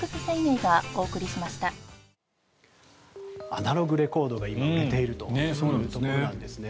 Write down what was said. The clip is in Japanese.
アナログレコードが今、売れているということなんですね。